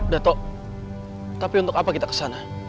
dato tapi untuk apa kita kesana